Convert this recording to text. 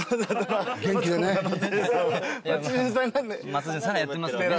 松潤さんがやってますけどね